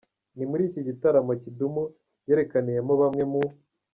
Ni muri iki gitaramo, Kidum yerekaniyemo bamwe mu